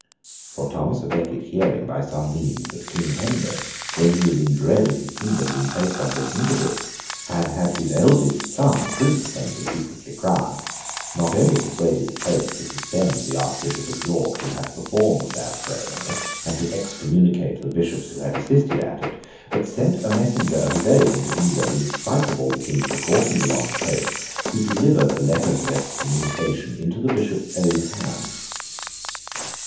For Thomas à Becket hearing, by some means, that King Henry, when he was in dread of his kingdom being placed under an interdict, had had his eldest son Prince Henry secretly crowned, not only persuaded the Pope to suspend the Archbishop of York who had performed that ceremony, and to excommunicate the Bishops who had assisted at it, but sent a messenger of his own into England, in spite of all the King's precautions along the coast, who delivered the letters of excommunication into the Bishops' own hands.